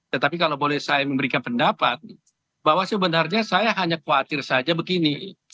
tetapi kalau boleh saya memberikan pendapat bahwa sebenarnya saya hanya khawatir saja begini